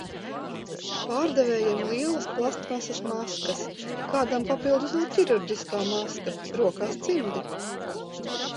Pārdevējiem lielas plastmasas maskas, kādam papildus vēl ķirurģiskā maska, rokās cimdi.